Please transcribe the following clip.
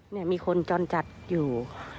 นี่มีคนจอดจัดอยู่